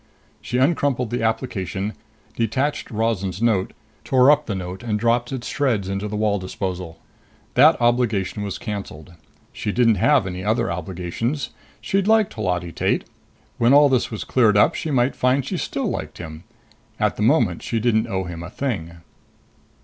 She uncrumpled the application, detached Rozan's note, tore up the note and dropped its shreds into the wall disposal. That obligation was cancelled. She didn't have any other obligations. She'd liked Holati Tate. When all this was cleared up, she might find she still liked him. At the moment she didn't owe him a thing.